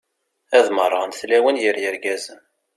Ad merrɣent tlawin gar yirgazen.